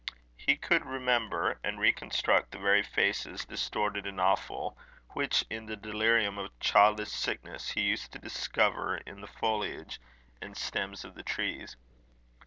He could remember, and reconstruct the very faces, distorted and awful, which, in the delirium of childish sicknesses, he used to discover in the foliage and stems of the trees.